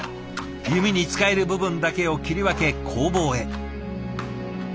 弓に使える部分だけを切り分け工房へ。